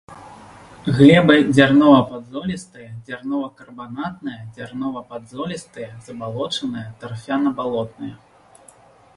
Глебы дзярнова-падзолістыя, дзярнова-карбанатныя, дзярнова-падзолістыя забалочаныя, тарфяна-балотныя.